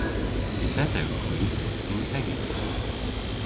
Yth esewgh hwi y'n kegin.